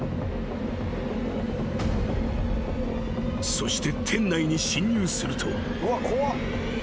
［そして店内に侵入すると］